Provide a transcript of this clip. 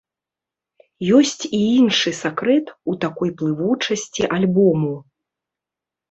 Ёсць і іншы сакрэт у такой плывучасці альбому.